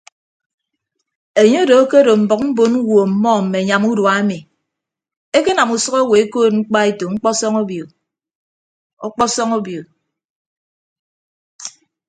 Enye odo akedo mbʌk mbon ñwo ọmmọ mme anyam urua emi ekenam usʌk owo ekoot mkpaeto ọkpọsọñ obio.